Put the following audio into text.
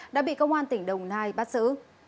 đã bị công an tp đồng nai bắt giữ